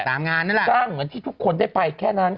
จ้างเหมือนที่ทุกคนได้ไปแค่นั้น